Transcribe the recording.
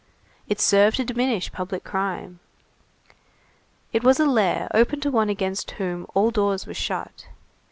It served to diminish public crime. It was a lair open to one against whom all doors were shut.